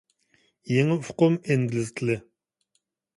يېڭى ئۇقۇم ئىنگلىز تىلى.